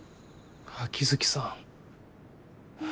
秋月さん。